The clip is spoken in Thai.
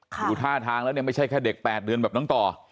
ดูท่าทางแล้วเนี่ยไม่ใช่แค่เด็ก๘เดือนแบบน้องต่อ